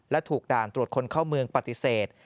และถูกด่านตรวจคนเข้าเมืองปฏิเสธ